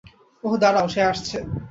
ওহ দাঁড়াও, সে আসছে।